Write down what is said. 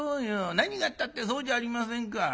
何がったってそうじゃありませんか。